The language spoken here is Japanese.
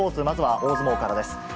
まずは大相撲からです。